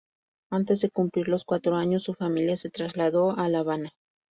Antes de cumplir los cuatro años su familia se trasladó a La Habana.